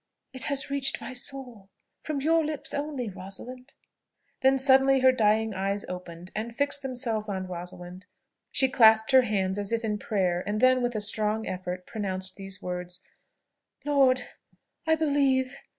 It has reached my soul from your lips only, Rosalind!" Then suddenly her dying eyes opened, and fixed themselves on Rosalind; she clasped her hands, as if in prayer, and then with a strong effort pronounced these words, "Lord! I believe!